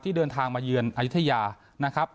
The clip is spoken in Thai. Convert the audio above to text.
เดินทางมาเยือนอายุทยานะครับ